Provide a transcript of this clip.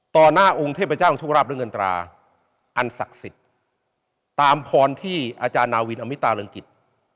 หน้าองค์เทพเจ้าของโชคราบและเงินตราอันศักดิ์สิทธิ์ตามพรที่อาจารย์นาวินอมิตาเริงกิจ